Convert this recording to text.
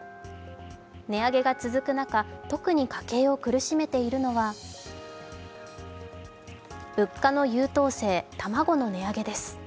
値上げが続く中、特に家計を苦しめているのは物価の優等生、卵の値上げです。